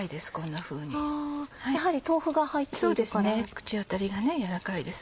口当たりがやわらかいです。